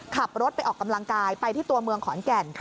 ขับรถไปออกกำลังกายไปที่ตัวเมืองขอนแก่น